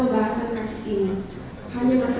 pembahasan kasus ini hanya masa